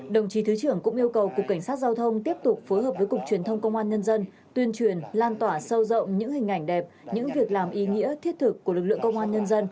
đồng chí thứ trưởng cũng yêu cầu cục cảnh sát giao thông tiếp tục phối hợp với cục truyền thông công an nhân dân tuyên truyền lan tỏa sâu rộng những hình ảnh đẹp những việc làm ý nghĩa thiết thực của lực lượng công an nhân dân